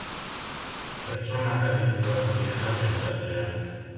Pertsonak adituak direla pentsatzea.